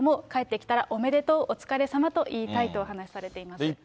帰ってきたら、おめでとう、お疲れさまと言いたいとお話されています。